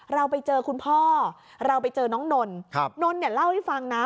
เราไปเจอคุณพ่อเราไปเจอน้องนนเนี่ยเล่าให้ฟังนะ